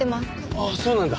ああそうなんだ。